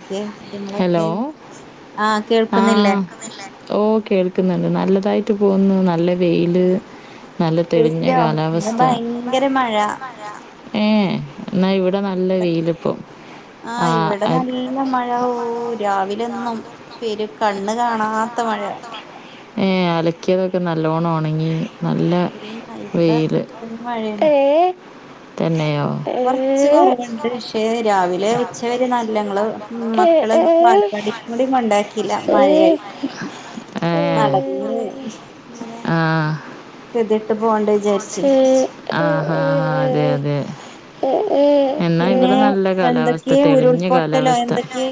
ന്തൊക്കെ ഹലോ വിവരങ്ങളൊക്കെ ആഹ് കേൾക്കുന്നില്ലേ ഓഹ് കേൾക്ക്ന്ന്ണ്ട് നല്ലതായിട്ട് പോകുന്നു നല്ല വെയില് നല്ല തെളിഞ്ഞ വെയിലോ ഇന്ന് കാലാവസ്ഥ ഭയങ്കര മഴ ഏഹ് എന്നാ ഇവിടെ നല്ല വെയിലിപ്പോ ആഹ് അ ല്ല മഴ ഓഹ് രാവിലൊന്നും പെരു കണ്ണ് കാണാത്ത മഴ ഏഹ് അലക്കിയതൊക്കെ നല്ലോണം ഒണങ്ങി ഇല്ല ഇവടെ പെരും മഴേണ് ഏഹ് ഇപ്പ കൊറച്ച് കൊറവ്ണ്ട് പക്ഷേ രാവിലെ ഉച്ച വരെ നല്ലങ്ങള് ഉം മക്കള് വാലവാടി കുടീ കൊണ്ടാക്കിയില്ല മഴയായിട്ട് ഏ നടന്ന് അങ്ങനെ കെതിയെട്ട് പോണ്ടേ ആഹ് ആഹ് അതെ അതെ എന്നാ പിന്നെ ഇവടെ നല്ല കാലാവസ്ഥ എന്തൊക്കെയ തെളിഞ്ഞ ഉരുൾപൊട്ടലോ കാലാവസ്ഥ എന്തൊക്കെയ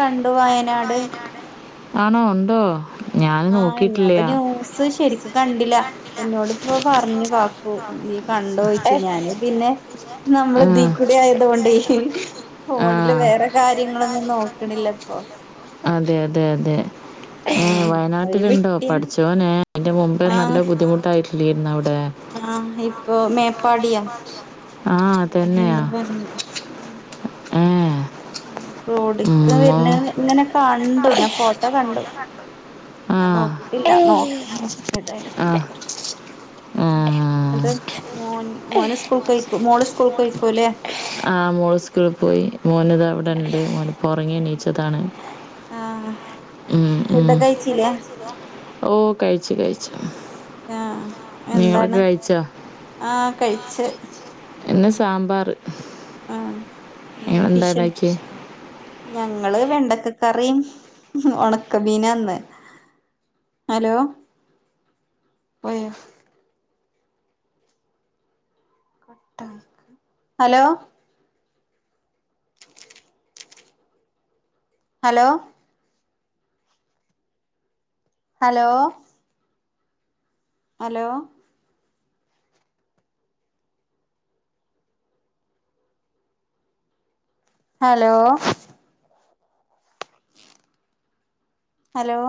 കണ്ടു വയനാട് ആണോ ഉണ്ടോ ഞാൻ ആഹ് നോക്കിയിട്ടില്ല ഞാപ്പ ന്യൂസ് ശരിക്ക് കണ്ടില്ല പ്പന്നോട് ഇപ്പോ പറഞ്ഞു കാക്കു നീ കണ്ടോയിച്ചു ഞാന് പിന്നെ നമ്മള് ആ ദീകുടി ആയത് കൊണ്ട് ആ ഫോണില് വേറെ കാര്യങ്ങളൊന്നും നോക്ക്ണില്ല പ്പൊ അതെ അതെ അതെ ഏഹ് ഉം വഴി വയനാട്ടിലുണ്ടോ വെട്ടിയ പഠച്ചോനേ അയിന്റെ മുമ്പ് നല്ല ആഹ് ബുദ്ധിമുട്ടായിട്ടില്ലേർ ന്നവടെ ആഹ് ഇപ്പൊ മേപ്പാടിയാ ആ [unintelligible] ഏഹ് ഉം റോഡ്ക്ക് വരുന്നഹ് ഇങ്ങെനെ കണ്ടു ഞാൻ ഫോട്ടോ കണ്ടു ആ ഞാൻ നോക്കിട്ടില്ല നോക്കല്നി ഏതായാലും ആ ആ. ഉം ന്നട്ട് മോൻ മോന് സ്കൂൾകഴിക്കും മോള് സ്കൂൾകെഴിക്കുല്ലേ ആഹ് മോള് സ്കൂൾപോയി മോനിതാവടെ ഇണ്ട് ഓന്പ്പോ ഒറങ്ങി എണീച്ചതാണ് ആഹ് ഉം ഉം ഫുഡൊക്കെ കഴിച്ചില്ലേ ഓ കഴിച്ചു കഴിച്ച് ആഹ് എന്താണ് കഴിച്ചോ ആഹ് കഴിച്ച് പിന്നെ സാമ്പാർ ആഹ് നിങ്ങൾ മീന് എന്താ ഫിഷ് ഉണ്ടാക്കിയേ ഞങ്ങള് വെണ്ടക്കക്കറീം ഒണക്കമീനാന്ന് ഹലോ പോയോ കട്ടായ്ക്ക hello hello hello hello hello hello